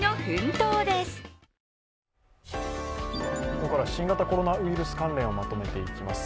ここから新型コロナウイルス関連をまとめていきます。